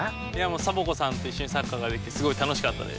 サボ子さんといっしょにサッカーができてすごいたのしかったです。